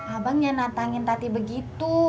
abang jangan natangin tati begitu